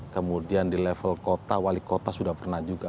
kemudian di level kota wali kota sudah pernah juga